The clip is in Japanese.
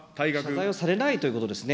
謝罪をされないということですね。